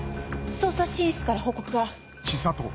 捜査支援室から報告が。